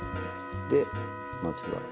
でまずは。